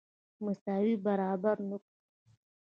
مساوي برابر نه کړو.